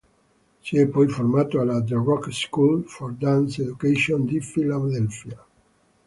Si è poi formato alla "The Rock School for Dance Education di Philadelphia".